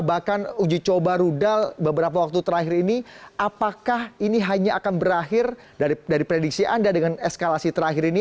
bahkan uji coba rudal beberapa waktu terakhir ini apakah ini hanya akan berakhir dari prediksi anda dengan eskalasi terakhir ini